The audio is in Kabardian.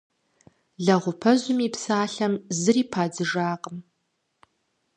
Лэгъупэжьым и псалъэм зыри падзыжакъым.